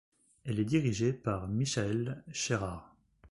Elle est dirigée par Michael Sherrard.